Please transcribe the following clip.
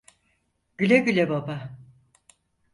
Güle güle baba.